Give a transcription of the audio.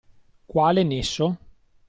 Quale nesso?